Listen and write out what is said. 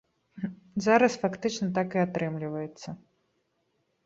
Зараз фактычна так і атрымліваецца.